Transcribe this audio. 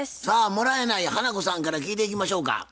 さあもらえない花子さんから聞いていきましょうか。